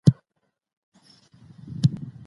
سياستپوهنه د ټولنيزو علومو ډېره اغېزناکه څانګه ده.